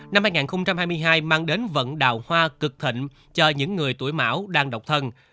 năm hai nghìn hai mươi hai mang đến vận đào hoa cực thịnh cho những người tuổi mão đang độc thân